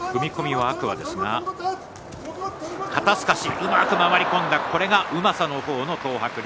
うまく回り込んだこれがうまさの方の東白龍。